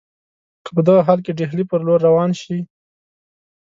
که په دغه حال کې ډهلي پر لور روان شي.